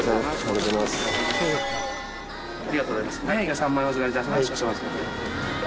ありがとうございます。